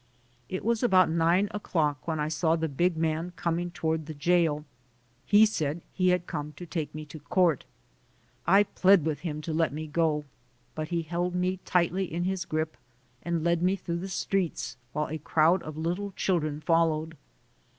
It was about nine o'clock when I saw the big man coming toward the jail. He said he had come to take me to court. I plead with him to let me go, but he held me tightly in his grip and led me through the streets, while a crowd of little children followed.